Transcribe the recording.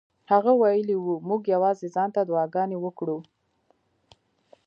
هغه ویلي وو موږ یوازې ځان ته دعاګانې وکړو.